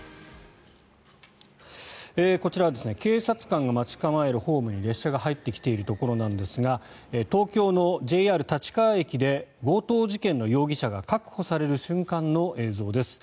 こちらは警察官が待ち構えるホームに列車が入ってきているところなんですが東京のＪＲ立川駅で強盗事件の容疑者が確保される瞬間の映像です。